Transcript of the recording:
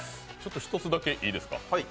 一つだけいいですか。